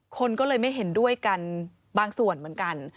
คนก็เลยไม่เห็นด้วยกันบางส่วนเหมือนกัน